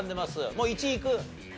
もう１位いく？